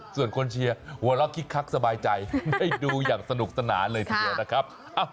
ส่วนคนเชียร์หัวเราะคิกคักสบายใจได้ดูอย่างสนุกสนานเลยทีเดียวนะครับ